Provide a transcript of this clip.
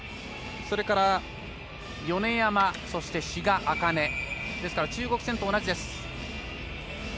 それから、米山、志賀紅音。ですから、中国戦と同じです。